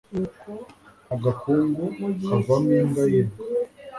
agakungu kavamo imbwa yiruka